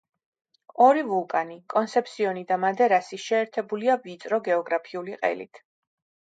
ორი ვულკანი კონსეფსიონი და მადერასი შეერთებულია ვიწრო გეოგრაფიული ყელით.